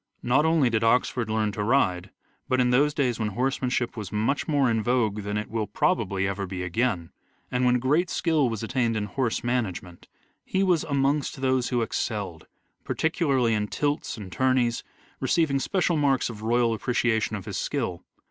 Not only did Oxford learn to ride, but, in those days when horsemanship was much more in vogue than it will probably ever be again, and when great skill was attained in horse management, he was amongst those who excelled, particularly in tilts and tourneys, receiving special marks of royal appre ciation of his skill.